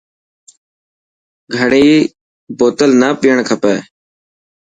گهڻي بوتل نا پئڻ کپي.